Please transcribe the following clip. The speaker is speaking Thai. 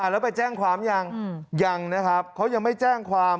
แล้วไปแจ้งความยังยังนะครับเขายังไม่แจ้งความ